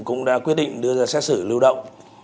cũng đã quyết định đưa ra xét xử lưu động